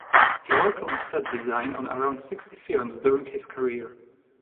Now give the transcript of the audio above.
He worked on set design on around sixty films during his career.